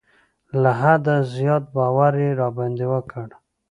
له حده زیات باور یې را باندې وکړ.